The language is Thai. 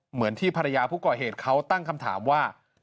เหมือนที่ภรรยาผู้ก่อเหตุเขาตั้งคำถามว่า